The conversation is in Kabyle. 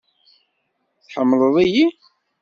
Tḥemmleḍ-iyi?